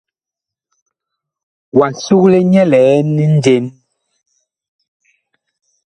Wa sugle nyɛ liɛn njen ?